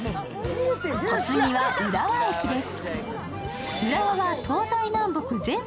お次は浦和駅です。